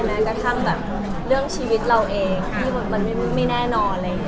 แม้กระทั่งเรื่องชีวิตเราเองที่อย่างน้อยไม่แน่นอน